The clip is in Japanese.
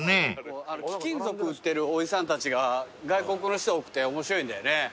貴金属売ってるおじさんたちが外国の人多くて面白いんだよね。